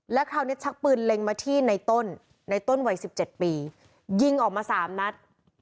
แล้วคราวนี้ชักปืนเล็งมาที่ในต้นในต้นวัย๑๗ปียิงออกมา๓นัด